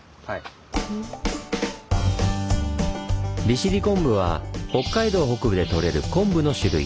利尻昆布は北海道北部でとれる昆布の種類。